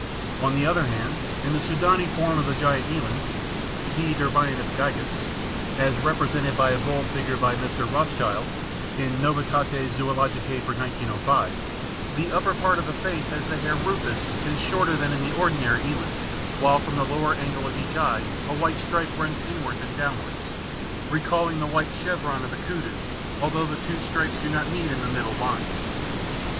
On the other hand, in the Sudani form of the giant eland (T. derbianus gigas), as represented by a bull figured by Mr. Rothschild in Novitates Zoologicae for 1905, the upper part of the face has the hair rufous and shorter than in the ordinary eland, while from the lower angle of each eye a white stripe runs inwards and downwards, recalling the white chevron of the kudu, although the two stripes do not meet in the middle line.